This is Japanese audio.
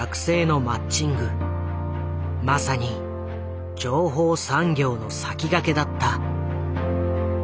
まさに情報産業の先駆けだった。